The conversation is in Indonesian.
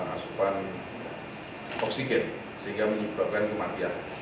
asupan oksigen sehingga menyebabkan kematian